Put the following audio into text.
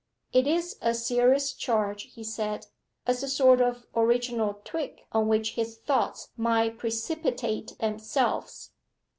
'It is a serious charge,' he said, as a sort of original twig on which his thoughts might precipitate themselves.